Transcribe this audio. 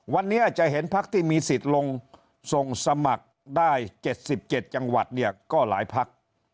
วันนี้จะเห็นพักที่มีสิทธิ์ลงส่งสมัครได้๗๗จังหวัดเนี่ยก็หลายพัก